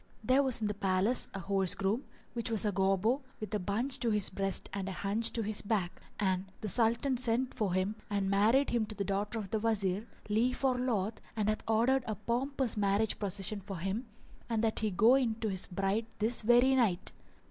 [FN#403] There was in the palace a horse groom which was a Gobbo with a bunch to his breast and a hunch to his back; and the Sultan sent for him and married him to the daughter of the Wazir, lief or loath, and hath ordered a pompous marriage procession for him and that he go in to his bride this very night.